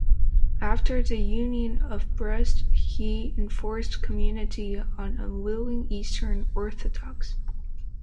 After the Union of Brest he enforced conformity on the unwilling Eastern Orthodox.